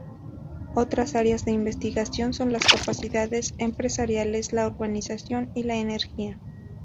Otras áreas de investigación son las capacidades empresariales, la urbanización y la energía.